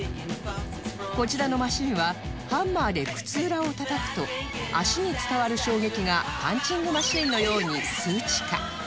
こちらのマシンはハンマーで靴裏を叩くと足に伝わる衝撃がパンチングマシンのように数値化